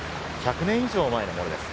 １００年以上前のものです。